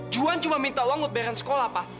juan cuma minta uang buat bayaran sekolah pak